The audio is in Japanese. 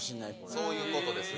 そういうことですね。